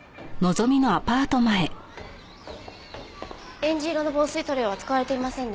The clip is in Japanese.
えんじ色の防水塗料は使われていませんね。